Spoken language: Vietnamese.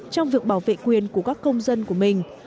trong việc bảo vệ quyền của các công dân của mình